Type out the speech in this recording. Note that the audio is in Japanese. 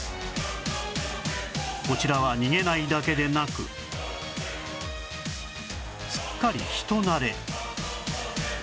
こちらは逃げないだけでなくすっかり人慣れ